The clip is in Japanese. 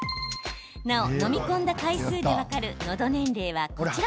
なお、飲み込んだ回数で分かるのど年齢は、こちら。